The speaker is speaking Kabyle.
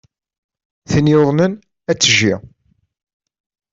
Tin yuḍnen ad tejji.